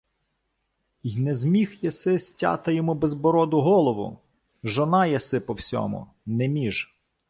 — Й не зміг єси стяти йому безбороду голову! Жона єси по всьому, не між.